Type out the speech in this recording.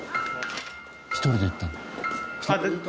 １人で行ったんだ。